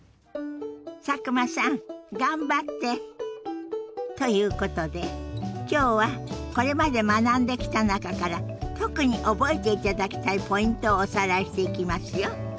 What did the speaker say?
佐久間さん頑張って！ということで今日はこれまで学んできた中から特に覚えていただきたいポイントをおさらいしていきますよ。